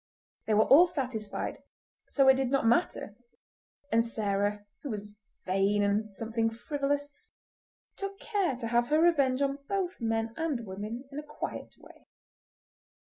They were all satisfied, so it did not matter, and Sarah, who was vain and something frivolous, took care to have her revenge on both men and women in a quiet way.